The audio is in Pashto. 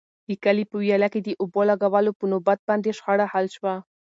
د کلي په ویاله کې د اوبو لګولو په نوبت باندې شخړه حل شوه.